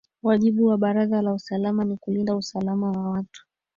wajibu wa baraza la usalama ni kulinda usalama wa watu